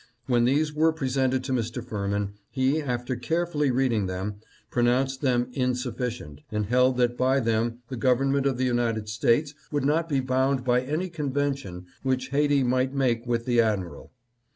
When these were presented to Mr. Firmin, he, after carefully reading them, pronounced them insufficient, and held that by them the government of the United States would not be bound by any convention which Haiti might make with the admiral.